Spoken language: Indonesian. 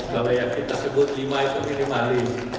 kalau yang kita sebut lima itu minimalis